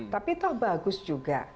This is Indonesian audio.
tapi toh bagus juga